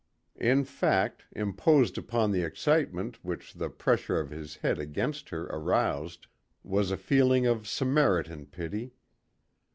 In fact, imposed upon the excitement which the pressure of his head against her aroused, was a feeling of Samaritan pity.